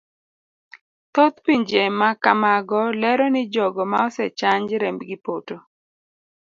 Thoth pinje makamago lero ni jogo ma osechanj rembgi poto.